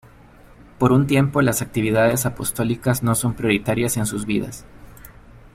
Por un tiempo las actividades apostólicas no son prioritarias en sus vidas.